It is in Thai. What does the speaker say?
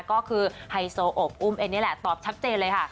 ก็คือไฮโซอบอุ้มเอ็นนี่แหละตอบชัดเจนเลยค่ะ